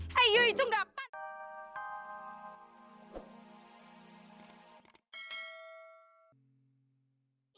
hey you itu gak patah